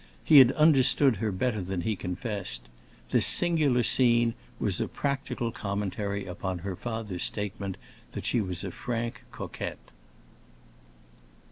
He had understood her better than he confessed; this singular scene was a practical commentary upon her father's statement that she was a frank coquette.